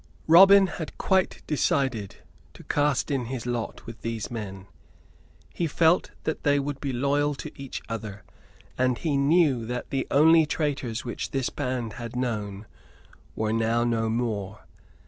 Robin had quite decided to cast in his lot with these men. He felt that they would be loyal to each other, and he knew that the only traitors which this band had known were now no more.